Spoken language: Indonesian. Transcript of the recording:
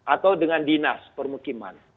atau dengan dinas permukiman